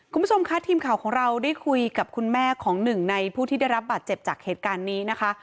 คุณผู้ชมค่ะทีมข่าวของเราได้คุยกับคุณแม่ของหนึ่งในผู้ที่ได้รับบาดเจ็บจากเหตุการณ์นี้นะคะ